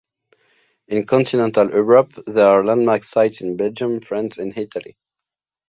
In continental Europe there are Landmark sites in Belgium, France and Italy.